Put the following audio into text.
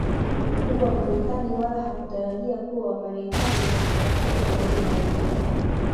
mkubwa wa marekani wala hakutarajia kuwa wamarekani watamtafuta kwa udi na uvumba